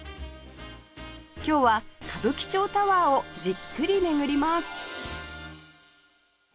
今日は歌舞伎町タワーをじっくり巡ります